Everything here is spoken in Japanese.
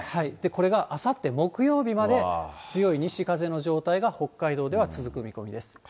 これがあさって木曜日まで、強い西風の状態が北海道では続く見込みです。